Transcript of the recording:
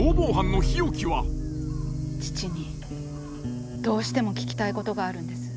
父にどうしても聞きたいことがあるんです。